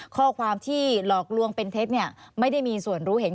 ข้อความที่หลอกลวงเป็นเท็จไม่ได้มีส่วนรู้เห็น